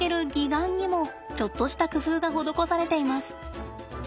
岩にもちょっとした工夫が施されています。